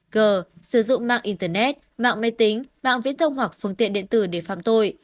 g sử dụng mạng internet mạng máy tính mạng viễn thông hoặc phương tiện điện tử để phạm tội